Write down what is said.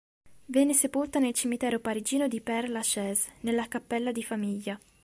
Venne sepolta nel cimitero parigino di Père-Lachaise, nella cappella di famiglia.